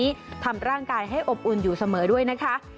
ทำโรงพยาบาลที่ทำร่างกายให้อบอุ่นอยู่เสมอด้วยนะคะ